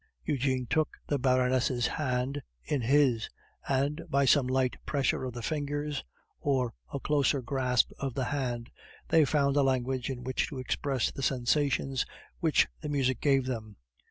Eugene took the Baroness' hand in his, and by some light pressure of the fingers, or a closer grasp of the hand, they found a language in which to express the sensations which the music gave them.